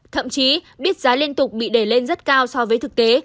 thậm chí biết giá liên tục bị đẩy lên rất cao so với thực tế